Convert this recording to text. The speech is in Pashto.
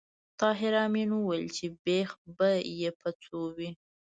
طاهر آمین وویل چې بېخ به یې په څو وي